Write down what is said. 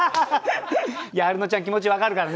アルノちゃん気持ち分かるからね。